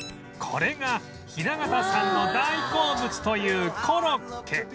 これが雛形さんの大好物というコロッケ